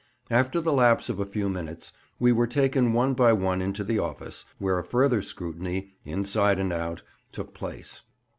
After the lapse of a few minutes, we were taken one by one into the office, where a further scrutiny "inside and out" took place.